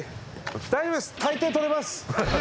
大丈夫です、大抵捕れます。